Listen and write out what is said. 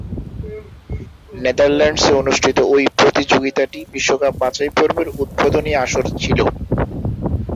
নেদারল্যান্ডসে অনুষ্ঠিত ঐ প্রতিযোগিতাটি বিশ্বকাপ বাছাইপর্বের উদ্বোধনী আসর ছিল।